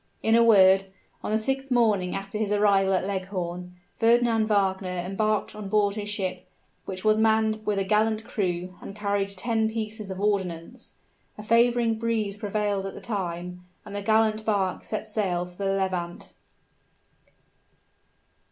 In a word, on the sixth morning after his arrival at Leghorn, Fernand Wagner embarked on board his ship, which was manned with a gallant crew, and carried ten pieces of ordnance. A favoring breeze prevailed at the time, and the gallant bark set sail for the Levant.